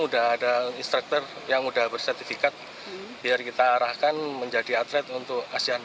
udah ada instructor yang udah bersertifikat biar kita arahkan menjadi atlet untuk asean